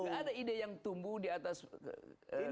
tidak ada ide yang tumbuh di atas keadilan